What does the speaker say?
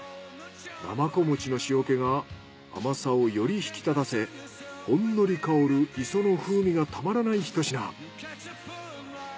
なまこ餅の塩気が甘さをより引き立たせほんのり香る磯の風味がたまらないひと品。